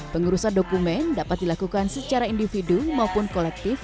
pengurusan dokumen dapat dilakukan secara individu maupun kolektif